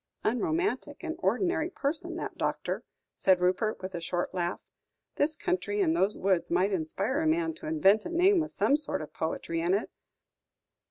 "Unromantic and ordinary person, that doctor," said Rupert, with a short laugh; "this country and those woods might inspire a man to invent a name with some sort of poetry in it.